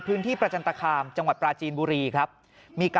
เพราะชาวบ้านบอกชาวบ้านต้องพูดแบบกระซิบด้วย